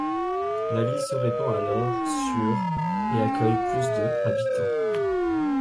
La ville se répand alors sur et accueille plus de habitants.